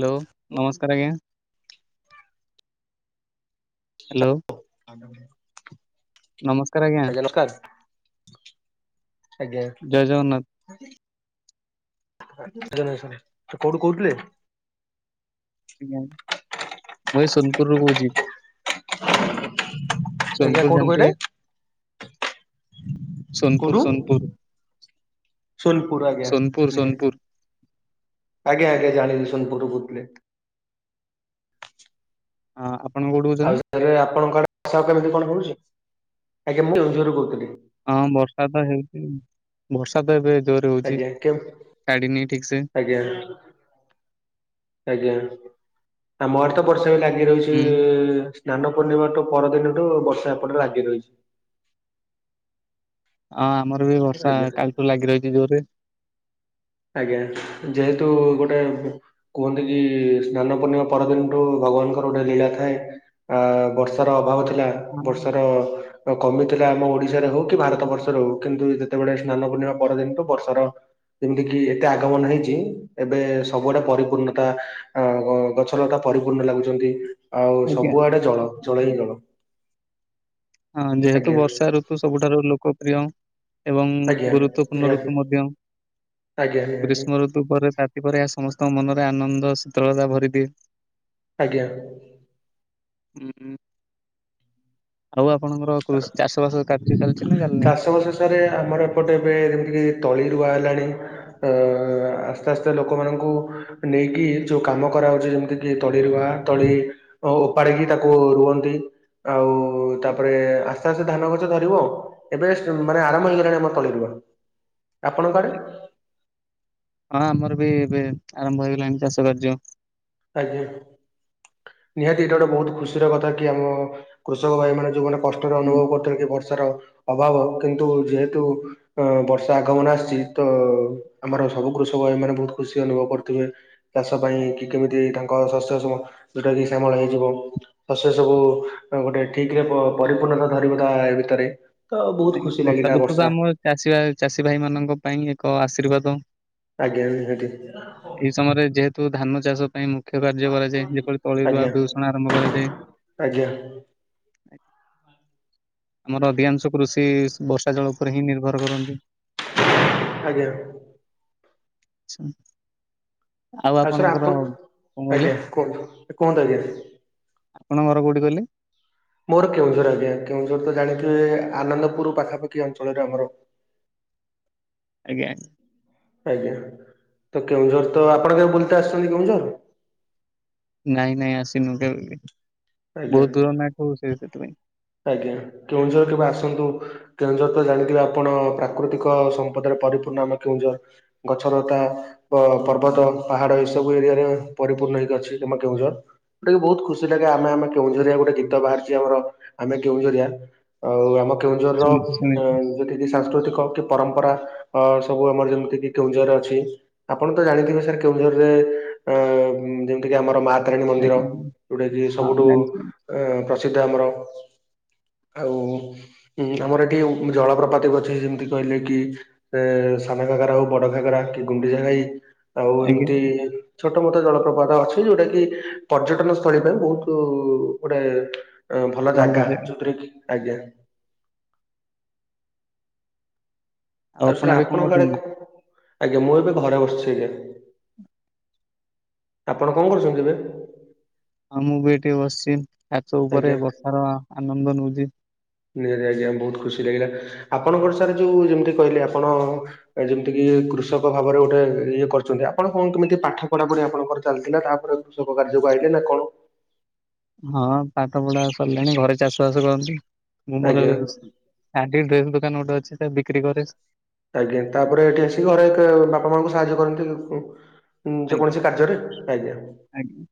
Hello ନମସ୍କାର ଆଜ୍ଞା। Hello. ନମସ୍କାର ଆଜ୍ଞା ଆଜ୍ଞା ନମସ୍କାର। ଆଜ୍ଞା ଜୟ ଜଗନ୍ନାଥ। [unintelligible] କୋଉଠୁ କହୁଥିଲେ? ଆଜ୍ଞା ମୁଁ ଏଇ ସୋନପୁରରୁ କହୁଚି। ଆଜ୍ଞା ଷୋନପୁର୍ କୋଉଠୁ କହିଲେ ଜାଣିଥିବେ? ସୋନପୁର୍ ସୋନପୁର୍। ସୋନପୁର୍ ଆଜ୍ଞା ସୋନପୁର ସୋନପୁର। ନିହାତୀ। ଆଜ୍ଞା ଆଜ୍ଞା ଜାଣିଲି ସୋନପୁର୍ କୋଉଥିଲେ। ହଁ ଆପଣ କୋଉଠୁ କହୁଚନ୍ତି? ଏବେ ଆପଣଙ୍କ ଆଡ଼େ ବର୍ଷା କେମିତି କଣ ହୋଉଚି ଆଜ୍ଞା ମୁଁ କେନ୍ଦୁଝରରୁ କହୁଥିଲି। ହଁ ବର୍ଷାତ ହେଇଉଚି ବର୍ଷାତ ଏବେ ଜୋରେ ହଉଚି ଆଜ୍ଞା କେ ଛାଡ଼ିନି ଠିକସେ। ଆଜ୍ଞା। ଆଜ୍ଞା ଆମ ଆଡ଼େତ ବର୍ଷାବି ଲାଗି ରହିଚି ହୁଁ। ସ୍ନାନ ପୂର୍ଣ୍ଣିମାଠୁ ପରଦିନଠୁ ବର୍ଷା ଏପଟେ ଲାଗି ରହିଚି। ହଁ ଆମରବି ବର୍ଷା ଆଜ୍ଞା କାଲିଠୁ ଲାଗି ରହିଚି ଜୋରେ। ଆଜ୍ଞା ଯେହେତୁ ଗୋଟେ କୁହନ୍ତିକି ସ୍ନାନ ପୂର୍ଣ୍ଣିମା ପରଦିନଠୁ ଭଗବାନଙ୍କର ଗୋଟେ ଲୀଳା ଥାଏ ଆ ବର୍ଷାର ଅଭାବ ଥିଲା ହଁ ବର୍ଷାର କମିଥିଲା ଆମ ଓଡ଼ିଶାରେ ହଉକି ଭାରତ ବର୍ଷରେ ହଉ କିନ୍ତୁ ଯେତେବେଳେ ସ୍ନାନ ପୂର୍ଣ୍ଣିମା ପରଦିନଠୁ ବର୍ଷାର ଯେମିତିକିି ଏତେ ଆଗମନ ହେଇଚି ଏବେ ସବୁଆଡ଼େ ପରିପୂର୍ଣ୍ଣତା ଅ ଗ ଗଛ ଲତା ପରିପୂର୍ଣ୍ଣ ଲାଗୁଚନ୍ତି ଆଉ ଆଜ୍ଞା ଆଜ୍ଞା। ସବୁଆଡ଼େ ଜଳ ଜଳ ହିଁ ଜଳ। ହଁ ଯେହେତୁ ଆଜ୍ଞା ବର୍ଷା ଋତୁ ସବୁଠାରୁ ଲୋକପ୍ରିୟ ଏବଂ ଆଜ୍ଞା ଗୁରୁତ୍ୱପୂର୍ଣ୍ଣ ନିହାତି ଋତୁ ମଧ୍ୟ ଆଜ୍ଞା ନିହାତି ଗ୍ରୀଷ୍ମ ଋତୁ ପରେ ତା ସେପରି ଏହା ସମସ୍ତଙ୍କ ମନରେ ଆନନ୍ଦ ଶୀତଳତା ଭରିଦିଏ ଆଜ୍ଞା। ହୁଁ ହୁଁ। ଆଉ ଆପଣଙ୍କର କୃଷି ଚାଷ ବାସ କାର୍ଯ୍ୟ ଚାଲିଛି ନା ଚାଲିନାହିଁ? ସରେ ଆମର ଏପଟେ ଏବେ ଯେମିତିକି ତଳି ରୁଆ ହେଲାଣି। ହଁ। ଆସ୍ତେ ଆସ୍ତେ ଲୋକମାନଙ୍କୁ ନେଇକି ଯୋଉ କାମ କରାଉଛି। ଯେମିତି କି ତଳି ରୁଆ, ତଳି ଓପାଡିକି ତାକୁ ରୁହନ୍ତି। ଆଉ ତା ତାରେ ଆସ୍ତେ ଆସ୍ତେ ଧାନ ଗଛ ଧରିବ। ଏବେ ମାନେ ଆରମ୍ୱ ହେଇଗଲାଣି ଆମର ତଳିରୁଆ। ଆପଣଙ୍କଆଡ଼େ। ହଁ ଆମର ବି ଏବେ ଆରମ୍ଭ ହେଇଗଲାଣି ଚାଷ କାର୍ଯ୍ୟ। ଆଜ୍ଞା। ନିହାତି ଏଇଟା ଗୋଟେ ବହୁତ ଖୁସି ର କଥା କି, ଆମ କୃଷକ ଭାଇ ମେ ଯୋଉମାନେ କଷ୍ଟ ହୁଁ, ଅନୁଭବ କରୁଥିଲେ କି ବର୍ଷାର ଅଭାବ, କିନ୍ତୁ ଯେହେତୁ ଅ ବର୍ଷା ଆଗମନ ଆସଛି। ତ ଆମର ସବୁ କୃଷକ ଭାଇ ମାନେ ବହୁତ ଖୁସି ଅନୁଭବ କରୁଥିବେ। ଚାଷ ପାଇଁ କି କେମିତି ତାଙ୍କ ଶସ୍ୟ ଯଉଟା କି ସ୍ୟାମଳ ହେଇଯିବ। ତ ସେ ସବୁ ଗୋଟେ ଠିକ ରେ ପରିପୂର୍ଣ୍ଣତା ଧରିବ ତା ଏ ଭିତରେ। ତ ବହୁତ ଖୁସି ଲାଗିଲା ବର୍ଷା। ଚାଷୀଭାଇ ଚାଷୀ ଭାଇ ମାନଙ୍କ ପାଇଁ ଏକ ଆଶୀର୍ବାଦ। ଆଜ୍ଞା। ବୁଝିଲେଠି। ଏଇ ସମୟରେ ଯେହେତୁ ଧାନ ଚାଷ ପାଇଁ ମୁଖ୍ୟ କାର୍ଯ୍ୟ କରାଯାଏ। ଯେପ ତଳି ଆଜ୍ଞା। ରୁଆ ବିଷଣ ଆରମ୍ଭ କରାଯାଏ। ଆଜ୍ଞା। ଆମର ଅଧିକାଂଶ କୃଷି ବର୍ଷା ଜଳ ଉପରେ ହିଁ ନିର୍ଭର କରନ୍ତି। ଆଜ୍ଞା। ଆଛା। ଆଉ ସାର୍ ଆପଣ କଣ କହିଲେ ଆଜ୍ଞା। କୁହନ୍ତୁ। କୁହନ୍ତୁ ଆଜ୍ଞା। ଆପଣ ଘର କୋଉଠି କହିଲେ? ମୋର କେଉଁଝର ଆଜ୍ଞା। କେଉଁଝର ତ ଜାଣିଥିବେ। ଆନନ୍ଦପୁର ପାଖାପାଖି ଅଞ୍ଚଳରେ ଆମର। ଆଜ୍ଞା। ଆଜ୍ଞା। ତ କେଉଁଝର ତ ଆପଣ କେ ବୁଲିତେ ଆସିଛନ୍ତି କେଉଁଝର। ନାଇଁ ନାଇଁ ଆସିନୁ କେବେବି। ଆଜ୍ଞା। ବହୁତ ଦୂର ନାକୁ ସେ ସେଥିପାଇଁ। ଆଜ୍ଞା। କେଉଁଝର କେବେ ଆସନ୍ତୁ। କେଉଁଝର ତ ଜାଣିଥିବେ ଆପଣ ପ୍ରାକୃତିକ ସମ୍ପଦରେ ପରିପୂର୍ଣ୍ଣ ଆମ କେଉଁଝର। ଗଛଲତା ଅ ପର୍ବତ ପାହାଡ ଏଇ ସବୁ ଏରିଆ ରେ ପରିପୂର୍ଣ୍ଣ ହେଇକି ଅଛି ଆମ କେଉଁଝର। ଗୋଟାକେ ବହୁତ ଖୁସି ଲାଗେ ଆମେ ଆମେ କେଉଁଝରିଆ ଗୋଟେ ଗୀତ ବାହାରିଛି ଆମର। ଆମେ କେଉଁଝରିଆ। ଆଉ ଆମ କେଉଁଝର ର ଶୁଣିଛି ଶୁଣିଛି ଯେତିକି ସାଂସ୍କୃତିକ କି ପରମ୍ପରା ଅ ସବୁ ଆମର ଯେମିତି କିି କେଉଞ୍ଜରେ ଅଛି। ଆପଣ ତ ଜାଣିଥିବେ ସାର୍ କେଉଁଝରରେ ଅ ଠି ଆମର ମା ତାରାଣୀ ମନ୍ଦିର। ଆଜ୍ଞା ଯୋଉଟା କିି ହଁ ସବୁଠୁ ଜାଣିଛି ଜାଣିଛି, ପ୍ରସିଦ୍ଧ ଆମର। ଆଉ ଆମର ଏଠି ଜଳପ୍ରପତି ଅଛି। ଯେମିତି କହିଲେ କି ଏ ସାନା ଘାଗାରା ହଉ, ବଡ ଘାଗାର କି ଗୁଣ୍ଡିଯା ଘାଇ। ଆଉ ଆଜ୍ଞା। ଏମିତି ଛୋଟ ମୋଟ ଜଳପ୍ରପାତ ଅଛି। ଯୋଉଟା କି ପର୍ଯ୍ୟଟନ ସ୍ଥଳୀ ପାଇଁ ବହୁତ ଗୋଟେ ଭଲ ଜାଗା। ଯୋଉଥିରେ କି ଆଜ୍ଞା। ଆଉ ଆପଣ ସାରେ ଏବେ କଣ ଆପଣଙ୍କ ଆଡେ କରୁଛନ୍ତି? କ ଆଜ୍ଞା। ମୁଁ ଏବେ ଘରେ ବସିଛି ଆଜ୍ଞା। ଆପଣ କଣ କରୁଛନ୍ତି ଏବେ? ହଁ ମୁଁ ବି ଏଠି ବସିଛି। ଛାତ ଆଜ୍ଞା ଉପରେ ବର୍ଷାର ଆନନ୍ଦ ନଉଛି। ନିହାତି ଆଜ୍ଞା। ବହୁତ ଖୁସି ଲାଗିଲା। ଆପଣଙ୍କର ସାର୍ ଯୋଉ ଯେମିତି କହିଲେ ଆପଣ ଏ ଯେମିତି କିି କୃଷକ ଭାବରେ ଗୋଟେ ଇଏ କରିଛନ୍ତି। ଆପଣ କଣ କେମିତି ପାଠ ପଢା ପଢି ଆପଣଙ୍କର ଚାଲିଥିଲା। ତାପରେ କୃଷକ କାର୍ଯ୍ୟ କୁ ଆଇଲେ ନା କଣ? ହଁ ପାଠ ପଢା ସରିଲାଣି। ଘରେ ଚାଷ ବାସ କରନ୍ତି। ମୁଁ ମୋର ଆଜ୍ଞା ହାଟେରେ ଡ୍ରେସ ଦୋକାନ ଗୋଟେ ଅଛି ତାକୁ ବିକ୍ରି କରେ। ଆଜ୍ଞା। ତାପରେ ଏଠି ଆସିକି ଘରେ ଏକ ବାପା ମାଆଙ୍କୁ ସାହାଯ୍ୟ କରନ୍ତି? ଆଜ୍ଞା ଯେକୌଣସି କାର୍ଯ୍ୟରେ। ଆଜ୍ଞା। ଆଜ୍ଞା।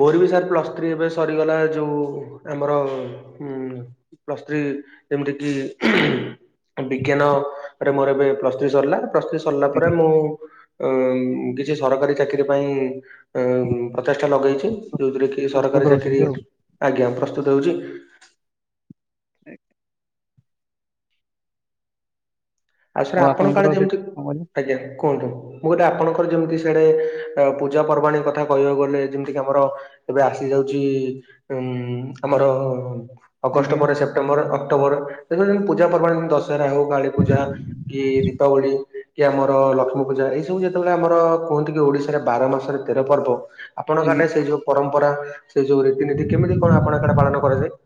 ମୋର ବି ସାର୍ ପ୍ଲସ୍ ଥ୍ରୀ ଏବେ ସରିଗଲା। ଯୋଉ ଆମର ଉଁ ପ୍ଲସ୍ ଥ୍ରୀ, ଯେମିତି କିି ଏ ବିଜ୍ଞାନ ରେ ମୋର ଏବେ ପ୍ଲସ ଥ୍ରୀ ସରିଲା। ପ୍ଲସ୍ ଥ୍ରୀ ସରିଲା ପରେ ଆଜ୍ଞା ମୁଁ କିଛି ସରକାରୀ ଚାକିରି ପାଇଁ, ପ୍ରଚେ ଷ୍ଟା ଲଗେଇଛି ଯୋଉଥିରେ କି, ପ୍ରସ୍ତୁତ ସରକାରୀ ଚାକିରି, ହଉଛନ୍ତି ଆଉ। ଆଜ୍ଞା ପ୍ରସ୍ତୁତ ହଉଛି,। ଆଜ୍ଞା। ଆଉ ସାର୍ ଆପଣଙ୍କ ଆପଣଙ୍କର କାଳେ ସେଠି ଯେମତି, କଣ କହିଲେ? ଆଜ୍ଞା, କୁହନ୍ତୁ? ମୁଁ କହିଲି ଆପଣଙ୍କର ଯେମିତି ସାଡେ ପୂଜା ପର୍ବାଣୀ କଥା କହିବାକୁ ଗଲେ, ଯେମିତି କିି ଆମର ଏବେ ଆସି ଯାଉଛି ଉ ଆମର ଅଗଷ୍ଟ ଆଜ୍ଞା ପରେ ସେପ୍ଟେମ୍ବର, ଅକ୍ଟୋବର, ସେତି ପୂଜା ପର୍ବାଣି ଯେମିତି ଦଶହରା ହଉ କାଳୀପୂଜା କି ଏ ହ ଦୀପାବଳି କି ଆମର ଲକ୍ଷ୍ମୀ ପୂଜା, ଏଇ ସବୁ ଯେତେବେଳେ ଆମର କୁହନ୍ତି କି ଓଡିଶାରେ ବାର ମାସରେ ତେର ପର୍ବ ଆପଣଙ୍କ ଆଜ୍ଞା ଆଡ଼େ ସେଇ ଯୋଉ ପରମ୍ପରା, ସେଇ ଯୋଉ ରୀତିନୀତି, କେମିତି କଣ ଆପଣଙ୍କ ଆଡେ ପାଳନ କରାଯାଏ?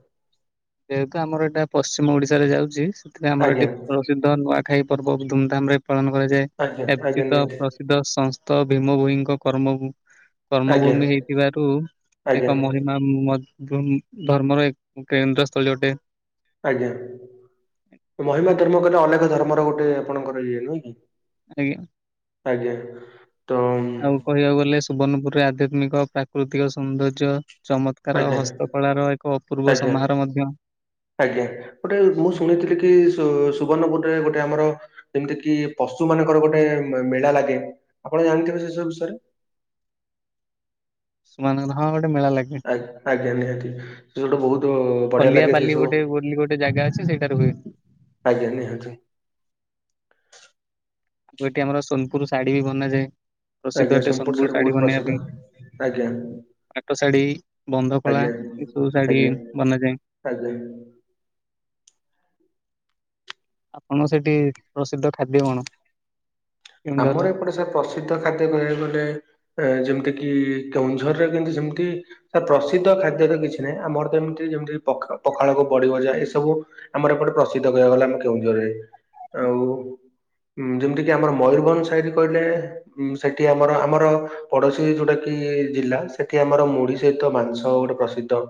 ଯେହେତୁ ଆମର ଏଇଟା ପଶ୍ଚିମ ଓଡିଶାରେ ଯାଉଛି ସେଥିପାଇଁ ଆମର ଆଜ୍ଞା ଏଠି [unintelligible] ନୂଆଖାଇ ପର୍ବ ଧୁମଧାମ ରେ ପାଳନ କରାଯାଏ। ଆଜ୍ଞା ଆଜ୍ଞା ଏଠିତ ନିହାତି ପ୍ରସିଦ୍ଧ ସଂସ୍ଥ ଭୀମ ଭୋଇଙ୍କ କର୍ମଭୂମି ଆଜ୍ଞା କର୍ମଭୂମି ହେଇଥିବାରୁ ଆଜ୍ଞା ଏକ ମହିମା [inaudible] ଧର୍ମର ଏକ କେନ୍ଦ୍ର ସ୍ଥଳୀ ଗୋଟେ। ଆଜ୍ଞା। ମହିମା ଧର୍ମ କହିଲେ ଅଲେଖ ଧର୍ମର ଗୋଟେ ଆପଣଙ୍କର ଇଏ ନୁହେଁ କି? ଆଜ୍ଞା। ଆଜ୍ଞା। ତ ଆଉ କହିବାକୁ ଗଲେ ସୁବର୍ଣ୍ଣପୁରରେ ଆଧ୍ୟାତ୍ମିକ, ପ୍ରାକୃତିକ ସୌନ୍ଦର୍ଯ୍ୟ, ଚମତ୍କାର ଆଜ୍ଞା ହସ୍ତକଳାର ଏକ ଅପୂର୍ବ ଆଜ୍ଞା ସମାହାର ମଧ୍ୟ। ଆଜ୍ଞା। ଗୋଟେ ମୁଁ ଶୁଣିଥିଲି କି ସୁ ସୁବର୍ଣ୍ଣପୁରରେ ଗୋଟେ ଆମର ଯେମିତି କି ପଶୁ ମାନଙ୍କର ଗୋଟେ ମେଳା ଲାଗେ ଆପଣ ଜାଣିଥିବେ ସେ ସବୁ ବିଷୟରେ। ପଶୁମାନଙ୍କର, ହଁ ଗୋଟେ ମେଳା ଲାଗେ। ଆ ଆଜ୍ଞା ନିହାତି, ସେ ସେଟୁ ବହୁତ ବଢିଆ ଲାଗେ ସେ ଖଲିଆପାଲି ସବୁ ଗୋଟେ ବୋଲି ଗୋଟେ ଜାଗା ଅଛି ସେଇଟାରେ ହୁଏ। ଆଜ୍ଞା ନିହାତି। ଆଉ ଏଠି ଆମର ସୋନପୁର ଶାଢୀ ବି ବନାଯାଏ। ପ୍ରସିଦ୍ଧ ଆଜ୍ଞା ଏଠି ସୋନପୁର ସୋନପୁୁର ଶାଢୀ ବହୁତ ବନେଇବା ପ୍ରସିଦ୍ଧ ପାଇଁ। ଆଜ୍ଞା ପାଟ ଶାଢୀ, ବନ୍ଧକଳା, ଆଜ୍ଞା ଏସବୁ ଶାଢୀ ଆଜ୍ଞା ବନାଯାଏ। ଆଜ୍ଞା। ଆପଣଙ୍କ ସେଠି ପ୍ରସିଦ୍ଧ ଖାଦ୍ୟ କଣ? କେଉଁଝରର? ଆମର ଏପଟେ ସାର ପ୍ରସିଦ୍ଧ ଖାଦ୍ୟ କହିବାକୁ ଗଲେ ଏ ଯେମିତି କି କେଉଁଝରରେ କିନ୍ତୁ ସେମତି ନାଁ ପ୍ରସିଦ୍ଧ ଖାଦ୍ୟତ କିଛି ନାହିଁ ଆମରତ ଏମିତି ଯେମିତି ପଖାଳକୁ ବଡ଼ିଭଜା ଏସବୁ ଆମର ଏପଟେ ପ୍ରସିଦ୍ଧ କହିବାକୁ ଗଲା ଆମ କେଉଁଝୋରରେ ଆଉ ଯେମିତିକିି ଆମର ମୟୂରଭଞ୍ଜ ସାଇଟ୍ କହିଲେ ଉଁ ସେଠି ଆମର ଆମର ପଡ଼ୋଶୀ ଯୋଉଟାକିି ଜିଲ୍ଲା ସେଠି ଆମର ମୁଢ଼ି ସହିତ ମାଂସ ଗୋଟେ ପ୍ରସିଦ୍ଧ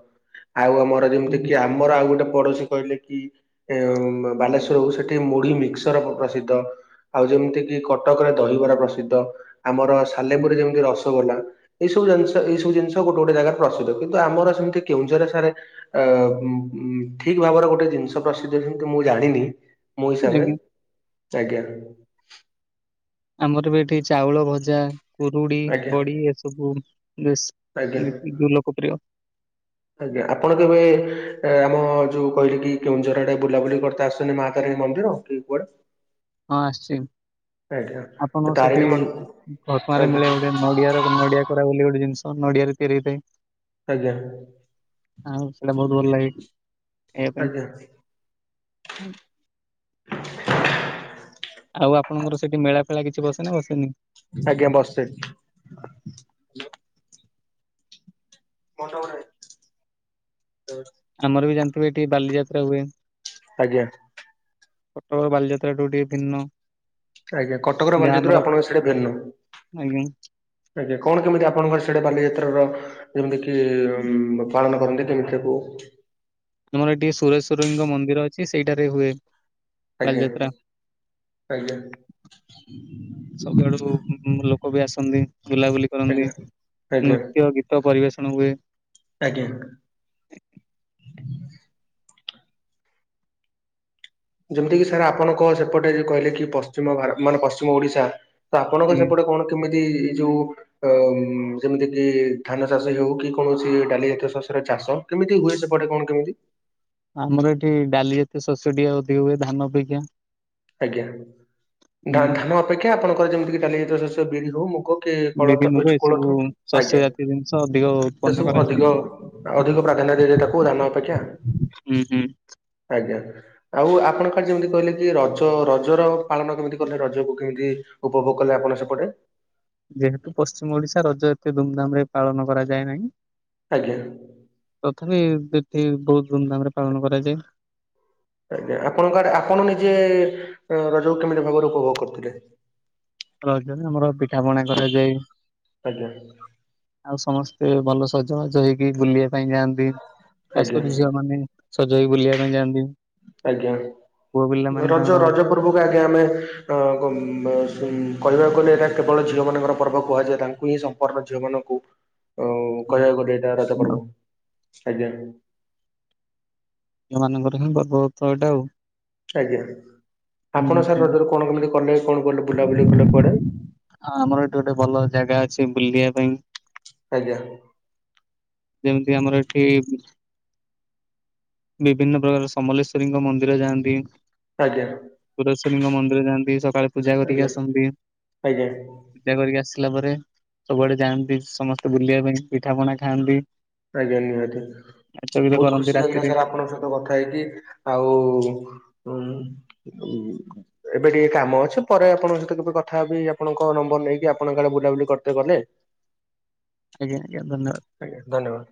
ଆଉ ଆମର ଯେମିତିକି ଆମର ଆଉ ଗୋଟେ ପଡ଼ୋଶୀ କହିଲେକି ଏ ବାଲେଶ୍ୱର ହୋଉ ସେଠି ମୁଢି ମିକ୍ସର ପ୍ରସିଦ୍ଧ ଆଉ ଯେମିତି କି କଟକରେ ଦହିବରା ପ୍ରସିଦ୍ଧ ଆମର ସାଲେପୁରୀ ଆଜ୍ଞା। ଯେମିତି ରସଗୋଲା ଏଇ ସବୁ ଜିନି ଏଇ ସବୁ ଜିନିଷ ଗୋଟେ ଗୋଟେ ଜାଗାରେ ପ୍ରସିଦ୍ଧ କିନ୍ତୁ ଆମ ସେମିତି କେଉଁଝରେ ସାର୍ ଅ ଠିକ୍ ଭାବରେ ଗୋଟେ ଜିନିଷ ପ୍ରସିଦ୍ଧ ଯେମିତି ମୁଁ ଜାଣିନି ମୋ ହିସାବରେ ଆଜ୍ଞା। ଆମରବି ଏଠି ଚାଉଳ ଭଜା କୁରୁଡ଼ି ଆଜ୍ଞା ବଡ଼ି ଏସବୁ ବେଶ୍ ଆଜ୍ଞା। ମି ଲୋକପ୍ରିୟ ଆଜ୍ଞା ଆପଣ କେବେ ଆମ ଯୋଉ କହିଲେକି କେଉଁଝରଆଡ଼େ ବୁଲାବୁଲି କରିତେ ଆସଚନ୍ତି ମା ତାରିଣୀ ମନ୍ଦିର? କି କୁଆଡ଼େ? ହଁ ଆସିଚି ଆଜ୍ଞା ତ ଆପଣଙ୍କୁ ତାରିଣୀ ସେଠି ମନ୍ ଘଟଣାଁରେ ଆଜ୍ଞା ମିଳେ ଗୋଟେ ନଡ଼ିଆର ନଡ଼ିଆ କୋରା ବୋଲି ଗୋଟେ ଜିନିଷ ନଡ଼ିଆରେ ତିଆରି ହେଇଥାଏ ଆଜ୍ଞା। ଆଉ ସେଇଟା ବହୁତ୍ ଭଲ ଲାଗେ ଖାଇବା ପାଇଁ। ଆଜ୍ଞା ଆଉ ଆପଣଙ୍କର ସେଠିମେଳା ଫେଳା କିଛି ବସେନା ବସେନି? ଆଜ୍ଞା ବସେ। [unintelligible] ଆମରବି ଜାଣିଥିବେ ଏଠି ବାଲିଯାତ୍ରା ହୁଏ। ଆଜ୍ଞା। କଟକରେ ବାଲିଯାତ୍ରାଠୁ ଟିକେ ଭିନ୍ନ ଆଜ୍ଞା କଟକର ଯାହା ବାଲଚାତ୍ରରୁ ଆମର ଆପଣଙ୍କ ସେଠି ଭିନ୍ନ। ଆଜ୍ଞା ଆଜ୍ଞା କଣ କେମିତି ଆପଣଙ୍କର ସେଟା ବାଲିଯାତ୍ରାର ଯେମିତିକି ପାଳନ କରନ୍ତି କେମିତି ତାକୁ ଆମର ଏଠି ସୁରେଶଵରଙ୍କ ମନ୍ଦିର ଅଛି ସେଇଟାରେ ହୁଏ। ଆଜ୍ଞା ବାଲିଯାତ୍ରା ଆଜ୍ଞା। ସବୁଆଡ଼ୁ ଲୋକବି ଆସନ୍ତି ବୁଲାବୁଲି କରନ୍ତି ଆଜ୍ଞା ଆଜ୍ଞା ନୃତ୍ୟ ଗୀ ତ ପରିବେଷଣ ହୁଏ। ଆଜ୍ଞା। ଯେମିତିକିି ସାର୍ ଆପଣଙ୍କ ସେପଟେ ଯୋଉ କହିଲେକି ପଶ୍ଚିମ ଭାରତ ମାନେ ପଶ୍ଚିମ ଓଡ଼ିଶା ତ ଆପଣଙ୍କ ଆଜ୍ଞା। ସେପଟେ କଣ କେମିତି ଏଇ ଯୋଉ ଅ ଯେମିତିକିି ଧାନ ଚାଷ ହଉକି କୌଣସି ଡାଲି ଜାତୀୟ ଶଶ୍ୟର ଚାଷ କେମିତି ହୁଏ ସେପଟେ କଣ କେମିତି? ଆମର ଏଠି ଡାଲି ଜାତୀୟ ସସ୍ୟ ଟିକେ ଅଧିକ ହୁଏ ଧାନ ଅପେକ୍ଷା। ଆଜ୍ଞା ଧା ଉଁ। ଧାନ ଅପେକ୍ଷା ଆପଣଙ୍କର ଯେମିତିକି ଡ଼ାଲି ଜାତୀୟ ଶସ୍ୟ ବିରି ହଉ ମୁଗ କି ବିରି କୋଳଥ ମୁଗ ହଉଚି ଏସବୁ କୋଳଥ ଆଜ୍ଞା ଶସ୍ୟ ଜାତୀୟ ଜିନିଷ ଅଧିକ ଉତ୍ପନ୍ନ ସେସବୁ କରାଯାଏ ଅଧିକ ଅଧିକ ପ୍ରାଧାନ୍ୟ ଦିଆଯାଏ ତାକୁ ଧାନ ଅପେକ୍ଷା ହୁଁ ହୁଁ। ଆଜ୍ଞା ଆଉ ଆପଣ ଆଡ଼େ ଯେମିତି କହିଲେକି ରଜ ରଜର ପାଳନ କେମିତି କଲେ ରଜକୁ? କେମିତି ଉପଭୋଗ କଲେ ଆପଣ ସେପଟେ? ଯେହେତୁ ପଶ୍ଚିମ ଓଡ଼ିଶା ରଜ ଏତେ ଧୁମଧାମରେ ପାଳନ କରାଯାଏ ନାହିଁ। ଆଜ୍ଞା। ତଥାପି ଏଠି ବହୁତ୍ ଧୁମ୍ ଧାମ୍ ରେ ପାଳନ କରାଯାଏ। ଆଜ୍ଞା ଆପଣଙ୍କ ଆଡ଼େ ଆପଣ ନିଜେ ରଜକୁ କେମିତି ଭଲରେ ଉପଭୋଗ କରୁଥିଲେ। ରଜରେ ଆମର ପିଠାପଣା କରାଯାଏ। ଆଜ୍ଞା ଆଉ ସମସ୍ତେ ଭଲ ସଜବାଜ ହେଇକି ବୁଲିବା ପାଇଁ ଯାଆନ୍ତି ଖାସ୍ ଆଜ୍ଞା କରି ଝିଅ ମାନେ ସଜ ହେଇକି ବୁଲିବା ପାଇଁ ଯାଆନ୍ତି। ଆଜ୍ଞା ପୁଅ ପିଲା ମାନେ ରଜ ତାଙ୍କର ରଜ ପ ଏତେବେଳକୁ ଆଜ୍ଞା ଆମେ ତ ଙ୍କ ବ ସଂ କହିବାକୁ ଗଲେ ଏଟା କେବଳ ଝିଅ ମାନଙ୍କର ପର୍ବ କରିବା ତାଙ୍କୁ ହିଁ ସ ପର୍ବ ଝିଅ ମାନକୁ [inaudible] ଆଉ କହିବାକୁ ଗଲେ ଏଟା ଚାର ଛପଟକୁ ଆଜ୍ଞା। ଝିଅ ମାନଙ୍କର ହିଁ ପର୍ବ ତ ଏଇଟା ଆଉ। ଆଜ୍ଞା ଆପଣ ସାର୍ ହୁଁ। ରଜରେ କଣ କେମିତି କଲେ କଣ କଲେ ବୁଲାବୁଲି କଲେ କୁଆଡେ ଆମର ଏଠି ଗୋଟେ ଭଲ ଜାଗା ଅଛି ବୁଲିବା ପାଇଁ। ଆଜ୍ଞା। ଯେମିତି ଆମର ଏଠି ବିଭିନ୍ନ ପ୍ରକାର ସମଲେଶ୍ଵରୀଙ୍କ ମନ୍ଦିର ଯାଆନ୍ତି। ଆଜ୍ଞା। ପୁରାଶ୍ୱନୀ ଙ୍କ ମନ୍ଦିର ଯାଆନ୍ତି ସକାଳେ ପୂଜା କରିକି ଆଜ୍ଞା ଆସନ୍ତି। ଆଜ୍ଞା ପୂଜା କରିକି ଆସିଲା ପରେ ସବୁଆଡେ ଯାଆନ୍ତି ସମସ୍ତେ ବୁଲିବା ପାଇଁ ପିଠା ପଣା ଖାଆନ୍ତି। ଆଜ୍ଞା ଆଜ୍ଞା ଠିକ୍‌ ନାଚ ଗୀତ ବହୁତ୍ କରନ୍ତି ଖୁସି ଲାଗିଲା ରାତିରେ ସାର୍ ଆପଣଙ୍କ ସହ। ତ କଥା ହେଇକି ଆଉ ଉଁ ଏବେ ଟିକେ କାମ ଅଛି ପରେ ଆପଣଙ୍କ ସହିତ କେବେ କଥା ହବି ଆପଣଙ୍କ ନମ୍ବର ନେଇକି ଆପଣଙ୍କ ଆଡ଼େ ବୁଲାବୁଲି କରିତେ ଗଲେ। ଆଜ୍ଞା ଆଜ୍ଞା ଧନ୍ୟବାଦ। ଆଜ୍ଞା ଧନ୍ୟବାଦ।